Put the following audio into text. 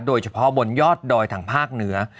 โดยเฉพาะบนยอดดอยทางภาคเหนือ